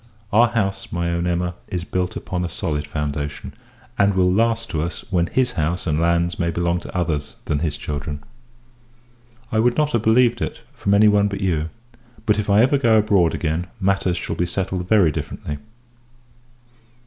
Our house, my own Emma, is built upon a solid foundation; and will last to us, when his house and lands may belong to others than his children. I would not have believed it, from any one but you! But, if ever I go abroad again, matters shall be settled very differently.